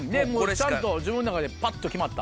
ちゃんと自分の中でぱっと決まった？